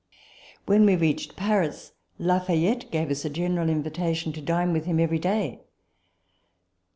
When we reached Paris, Lafayette gave us a general invitation to dine with him every day.